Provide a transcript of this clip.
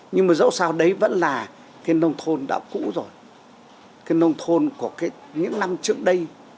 nhưng mà dẫu sao đấy vẫn là cái nông thôn đã cũ rồi cái nông thôn của những năm trước đây